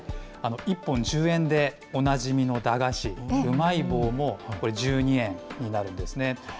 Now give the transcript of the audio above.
１本１０円でおなじみの駄菓子、うまい棒もこれ、１２円になるんですね。